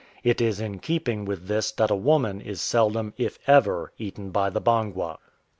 It is in keeping with this that a woman is seldom, if ever, eaten by the Bangwa.